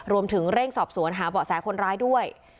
รวมถึงเร่งสอบสวนหาเบาะแสคนร้ายด้วย